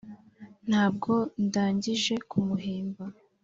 ntabwo ndangije kumuhimba